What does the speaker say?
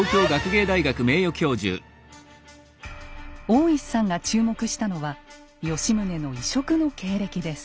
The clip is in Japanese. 大石さんが注目したのは吉宗の異色の経歴です。